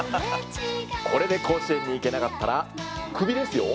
これで甲子園に行けなかったらクビですよ。